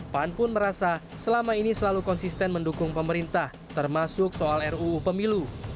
pan pun merasa selama ini selalu konsisten mendukung pemerintah termasuk soal ruu pemilu